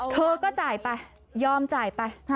เธอก็จ่ายไปยอมจ่ายไป